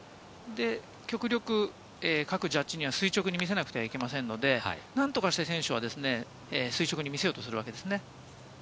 極力、各ジャッジには垂直には見せなきゃいけないので、何とかして垂直に見せようとするわけですね。